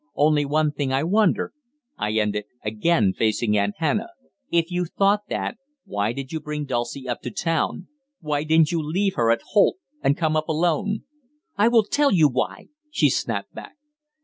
Only one thing I wonder," I ended, again facing Aunt Hannah, "if you thought that, why did you bring Dulcie up to town? Why didn't you leave her at Holt, and come up alone?" "I will tell you why," she snapped back.